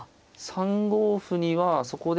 ３五歩にはそこで。